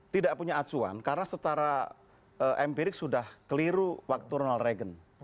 tidak punya acuan karena secara empirik sudah keliru waktu ronald reagan